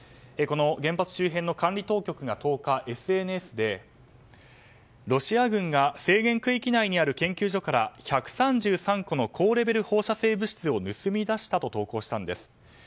この原発周辺の管理当局が１０日、ＳＮＳでロシア軍が制限区域内にある研究所から１３３個の高レベル放射性物質を盗み出したと投稿したんです。